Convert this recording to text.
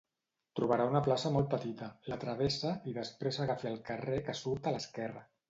Trobarà una plaça molt petita, la travessa, i després agafi el carrer que surt a l'esquerra.